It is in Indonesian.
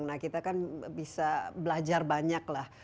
nah kita kan bisa belajar banyak lah